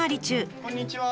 こんにちは。